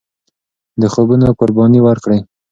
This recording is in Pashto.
د خوبونو قرباني ورکړئ.